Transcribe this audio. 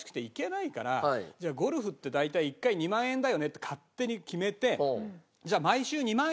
じゃあゴルフって大体１回２万円だよねって勝手に決めて。